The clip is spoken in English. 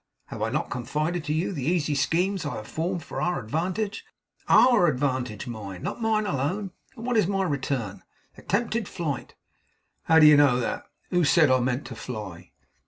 Have I not confided to you the easy schemes I have formed for our advantage; OUR advantage, mind; not mine alone; and what is my return? Attempted flight!' 'How do you know that? Who said I meant to fly?